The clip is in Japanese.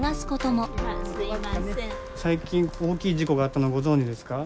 最近大きい事故があったのご存じですか？